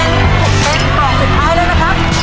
นมกล้วยเป็นตอนสุดท้ายแล้วนะครับ